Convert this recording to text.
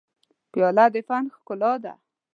پیاله د فن ښکلا ده.